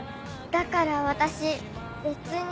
だから私別に。